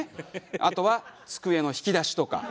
あとは机の引き出しとか。